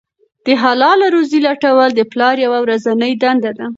د حلاله روزۍ لټول د پلار یوه ورځنۍ دنده ده.